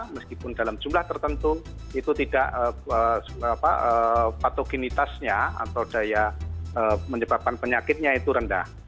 meskipun dalam jumlah tertentu itu tidak patogenitasnya atau daya menyebabkan penyakitnya itu rendah